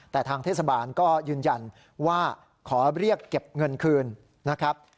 แต่ทางเทศบาลก็ยืนยันว่าขอเรียกเก็บเงินคืนนะครับ